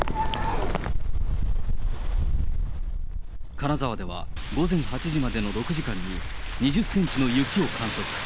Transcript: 金沢では午前８時までの６時間に２０センチの雪を観測。